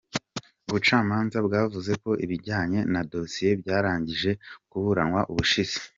Ubucamanza bwavuze ko ibijyanye na dosiye byarangije kuburanwa ubushize.